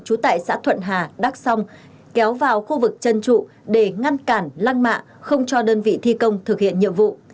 trú tại xã thuận hà đắc song kéo vào khu vực chân trụ để ngăn cản lăng mạ không cho đơn vị thi công thực hiện nhiệm vụ